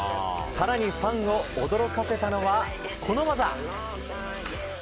更にファンを驚かせたのはこの技！